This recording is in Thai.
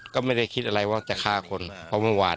ก็ไม่ได้คิดอะไรว่าจะฆ่าคนเพราะเมื่อวาน